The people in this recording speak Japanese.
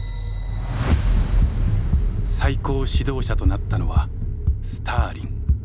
最高指導者となったのはスターリン。